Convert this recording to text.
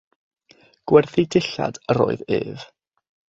Gwerthu dillad yr oedd ef.